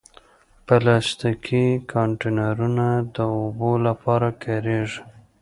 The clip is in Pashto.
پلاستيکي کانټینرونه د اوبو لپاره کارېږي.